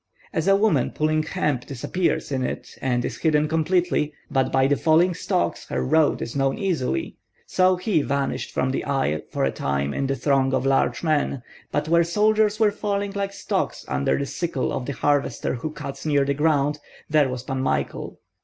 As a woman pulling hemp disappears in it and is hidden completely, but by the falling stalks her road is known easily, so he vanished from the eye for a time in the throng of large men; but where soldiers were falling like stalks under the sickle of the harvester who cuts near the ground, there was Pan Michael.